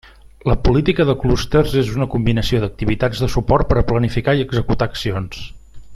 La política de clústers és una combinació d'activitats de suport per a planificar i executar accions.